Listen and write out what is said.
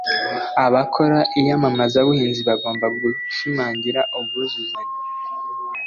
abakora iyamamazabuhinzi bagomba gushimangira ubwuzuzanye